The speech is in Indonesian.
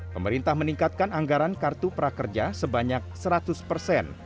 pemerintah meningkatkan anggaran kartu prakerja sebanyak seratus persen